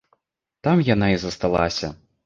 Там яна і засталася.